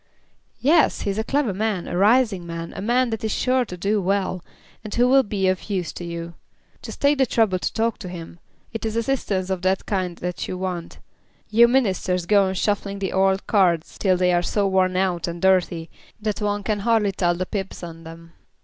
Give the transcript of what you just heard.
"Yes; he is a clever man, a rising man, a man that is sure to do well, and who will be of use to you. Just take the trouble to talk to him. It is assistance of that kind that you want. You Ministers go on shuffling the old cards till they are so worn out and dirty that one can hardly tell the pips on them."